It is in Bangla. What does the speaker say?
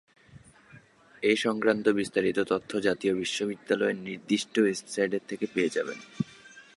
এ সংক্রান্ত বিস্তারিত তথ্য জাতীয় বিশ্ববিদ্যালয়ের নির্দিষ্ট ওয়েবসাইট থেকে পাওয়া যাবে।